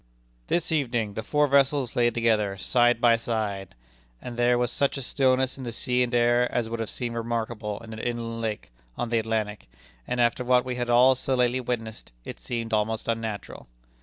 "This evening the four vessels lay together, side by side, and there was such a stillness in the sea and air, as would have seemed remarkable in an inland lake; on the Atlantic, and after what we had all so lately witnessed, it seemed almost unnatural."